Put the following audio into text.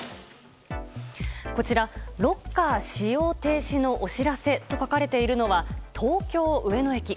こちら「ロッカー使用停止のお知らせ」と書かれているのは東京・上野駅。